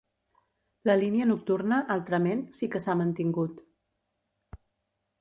La línia nocturna, altrament, sí que s'ha mantingut.